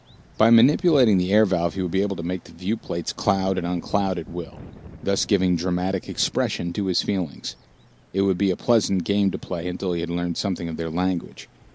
By manipulating the air valve he would be able to make the viewplates cloud and uncloud at will, thus giving dramatic expression to his feelings. It would be a pleasant game to play until he had learned something of their language.